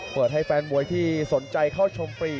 เปิดให้แฟนมวยที่สนใจเข้าชมฟรี